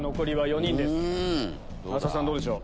どうでしょう？